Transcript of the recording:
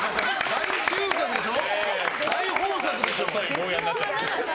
大豊作でしょ。